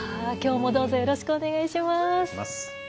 きょうも、どうぞよろしくお願いします。